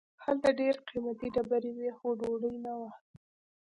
هلته ډیر قیمتي ډبرې وې خو ډوډۍ نه وه.